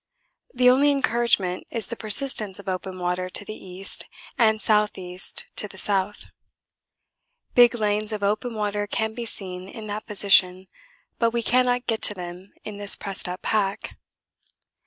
The only encouragement is the persistence of open water to the east and south east to south; big lanes of open water can be seen in that position, but we cannot get to them in this pressed up pack.